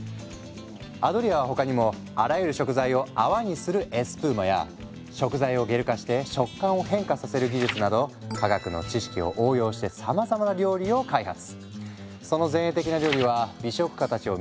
アドリアは他にもあらゆる食材を泡にするエスプーマや食材をゲル化して食感を変化させる技術など科学の知識を応用してさまざまな料理を開発。